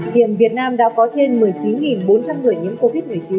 hiện việt nam đã có trên một mươi chín bốn trăm linh người nhiễm covid một mươi chín